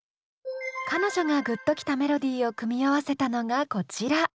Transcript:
彼女がグッときたメロディーを組み合わせたのがこちら。